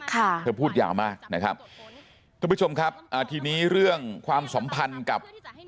เธอพูดยาวมากนะครับทุกผู้ชมครับอ่าทีนี้เรื่องความสัมพันธ์กับ